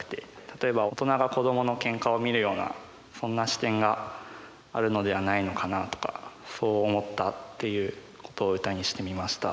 例えば大人が子どものけんかを見るようなそんな視点があるのではないのかなとかそう思ったっていうことを歌にしてみました。